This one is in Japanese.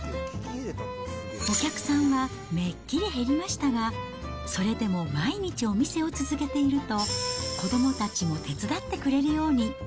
お客さんはめっきり減りましたが、それでも毎日お店を続けていると、子どもたちも手伝ってくれるように。